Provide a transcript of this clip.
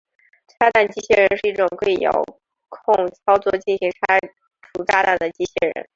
拆弹机械人是一种可以遥控操作进行拆除炸弹的机械人。